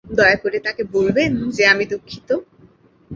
দয়া করে তাকে বলবেন যে আমি দুঃখিত।